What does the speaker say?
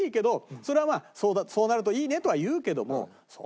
それはまあ「そうなるといいね」とは言うけども。